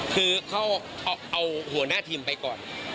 คือเขาเอาหัวหน้าทีมไปก่อน